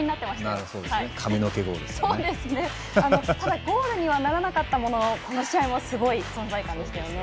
ただ、ゴールにはならなかったものの、この試合もすごい存在感でしたよね。